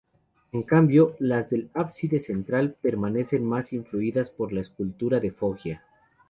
En cambio las del ábside central parecen más influidas por la escultura de Foggia.